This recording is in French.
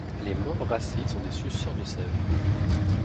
Les membracides sont des suceurs de sève.